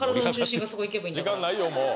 ほら時間ないよもう！